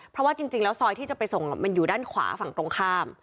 เพราะว่าจริงแล้วซอยที่จะไปส่งมันอยู่ด้านขวาฝั่งตรงข้าม